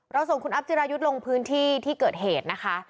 ส่งคุณอัพจิรายุทธ์ลงพื้นที่ที่เกิดเหตุนะคะ